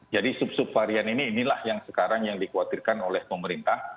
jadi sub sub varian ini inilah yang sekarang yang dikhawatirkan oleh pemerintah